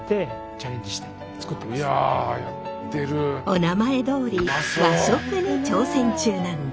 おなまえどおり和食に挑戦中なんです！